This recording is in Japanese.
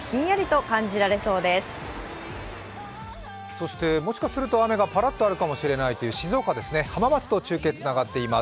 そしてもしかすると雨がパラッとあるかもしれないという静岡・浜松と中継がつながっています。